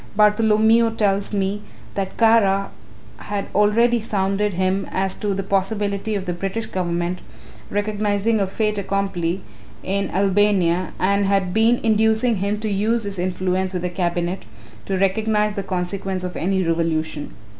Bartholomew tells me that Kara had already sounded him as to the possibility of the British Government recognising a fait accompli in Albania and had been inducing him to use his influence with the Cabinet to recognize the consequence of any revolution.